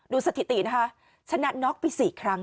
สถิตินะคะชนะน็อกไป๔ครั้ง